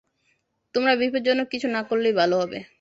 তোমরা বিপজ্জনক কিছু না করলেই ভালো হবে।